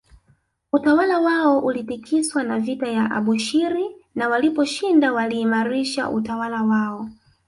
Utawala wao ulitikiswa na vita ya Abushiri na waliposhinda waliimaarisha utawala wao